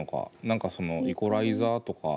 何かそのイコライザーとか。